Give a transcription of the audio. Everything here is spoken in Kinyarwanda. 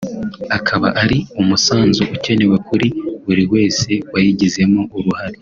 akaba ari umusanzu ukenewe kuri buri wese wayigizemo uruhare